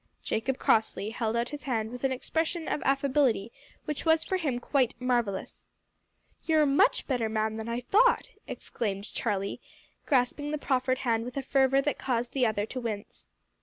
Jacob Crossley held out his hand with an expression of affability which was for him quite marvellous. "You're a much better man than I thought!" exclaimed Charlie, grasping the proffered hand with a fervour that caused the other to wince.